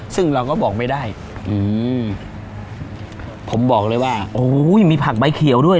ซึ่งเราก็บอกไม่ได้อืมผมบอกเลยว่าโอ้โหมีผักใบเขียวด้วย